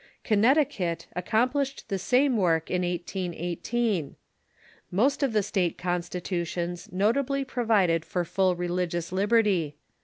Connecticut ac complished the same work in 1818. Most of the state consti tutions nobly provided for full religious libeiHy.